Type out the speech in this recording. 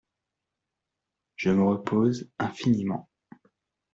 Je me repose infiniment.